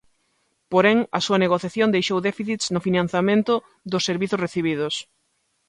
Porén, a súa negociación deixou déficits no financiamento dos servizos recibidos.